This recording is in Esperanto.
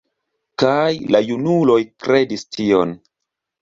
Kaj la junuloj kredis tion.